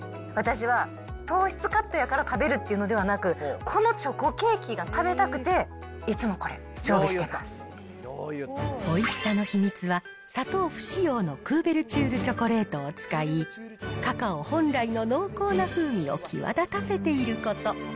私は糖質カットやから食べるっていうんではなく、このチョコケーキが食べたくて、いつもこれ、おいしさの秘密は、砂糖不使用のクーベルチュールチョコレートを使い、カカオ本来の濃厚な風味を際立たせていること。